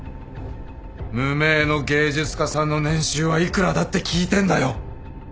無名の芸術家さんの年収は幾らだって聞いてんだよ。